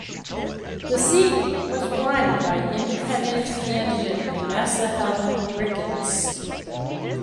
The seat was won by independent candidate Vanessa Helen Ricketts.